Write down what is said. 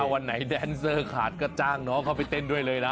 วันไหนแดนเซอร์ขาดก็จ้างน้องเขาไปเต้นด้วยเลยนะ